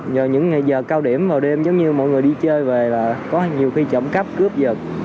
nhờ những giờ cao điểm vào đêm giống như mọi người đi chơi về là có nhiều khi trộm cắp cướp giật